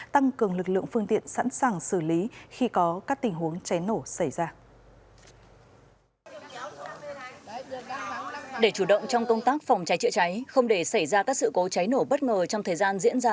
tăng cường lực lượng phương tiện sẵn sàng xử lý khi có các tình huống cháy nổ xảy ra